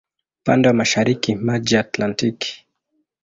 Upande wa mashariki maji ya Atlantiki.